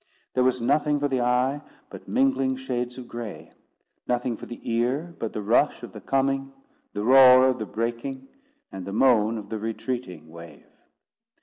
There was nothing for the eye but mingling shades of gray; nothing for the ear but the rush of the coming, the roar of the breaking, and the moan of the retreating wave.